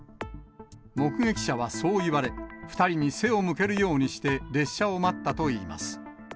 目撃者はそう言われ、２人に背を向けるようにして列車を待ったといいます。